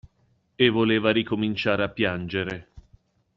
E voleva ricominciare a piangere.